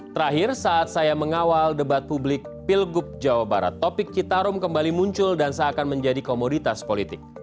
terakhir saat saya mengawal debat publik pilgub jawa barat topik citarum kembali muncul dan seakan menjadi komoditas politik